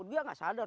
dia tidak sadar